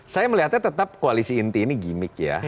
saya melihatnya tetap koalisi inti ini gimmick ya